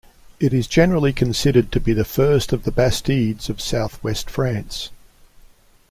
It is generally considered to be the first of the bastides of Southwest France.